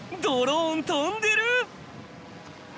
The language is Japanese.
ドローン飛んでる！